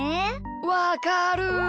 わかる。